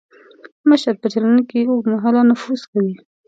مشر په چلند کې اوږد مهاله نفوذ کوي.